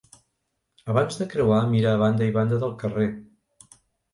Abans de creuar mira a banda i banda del carrer.